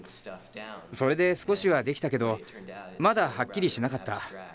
それで少しは出来たけどまだはっきりしなかった。